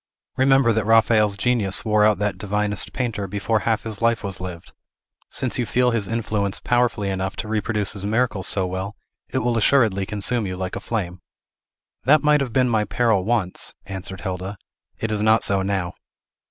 Remember that Raphael's genius wore out that divinest painter before half his life was lived. Since you feel his influence powerfully enough to reproduce his miracles so well, it will assuredly consume you like a flame." "That might have been my peril once," answered Hilda. "It is not so now."